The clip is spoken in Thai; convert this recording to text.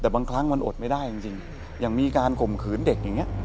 แต่บางครั้งมันอดไม่ได้จริงอย่างมีการข่มขืนเด็กอย่างนี้